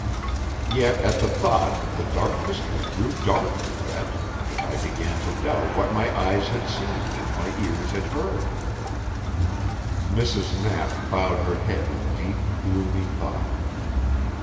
Yet at the thought the dark mystery grew darker, yet, and I began to doubt what my eyes had seen, and my ears had heard. Mrs. Knapp bowed her head in deep, gloomy thought.